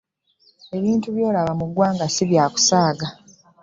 Ebintu by'olaba mu ggwanga si bya kusaaga.